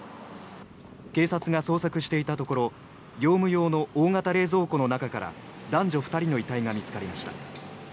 警察が捜索していたところ業務用の大型冷蔵庫の中から男女２人の遺体が見つかりました。